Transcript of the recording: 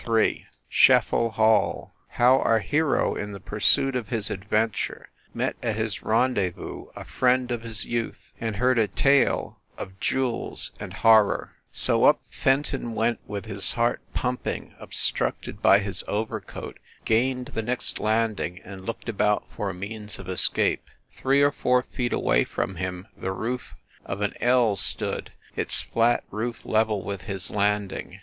Ill SCHEFFEL HALL HOW OUR HERO, IN THE PURSUIT OF HIS ADVEN TURE, MET AT HIS RENDEZVOUS A FRIEND OF HIS YOUTH, AND HEARD A TALE OF JEW ELS AND HORROR SO up Fenton went with his heart pumping, ob structed by his overcoat, gained the next land ing and looked about for a means of escape. Three or four feet away from him the roof of an ell stood, its flat roof level with his landing.